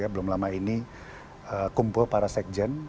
belum lama ini kumpul para sekjen